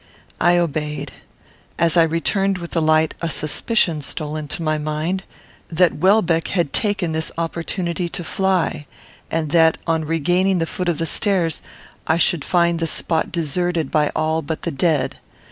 I obeyed. As I returned with the light, a suspicion stole into my mind, that Welbeck had taken this opportunity to fly; and that, on regaining the foot of the stairs, I should find the spot deserted by all but the dead.